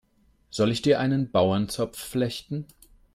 Soll ich dir einen Bauernzopf flechten?